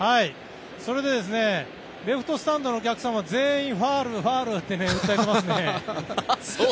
それでレフトスタンドのお客さんは全員ファウル、ファウルって言ってますね。